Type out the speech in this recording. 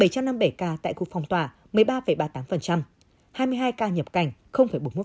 bảy trăm năm mươi bảy ca tại khu phòng tòa một mươi ba ba mươi tám hai mươi hai ca nhập cảnh bốn mươi một